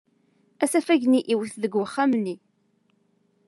Asafag-nni iwet deg wexxam-nni.